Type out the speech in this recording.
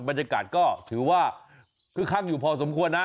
บรรยากาศก็ถือว่าคึกคักอยู่พอสมควรนะ